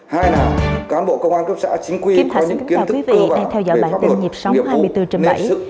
hai nà cán bộ công an cấp xã chính quy có những kiến thức cơ bản về pháp luật nghiệp ưu nệp sự